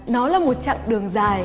nó là một chặng đường dài